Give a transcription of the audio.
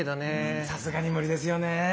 さすがに無理ですよね。